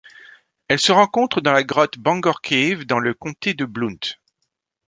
Elle se rencontre dans la grotte Bangor Cave dans le comté de Blount.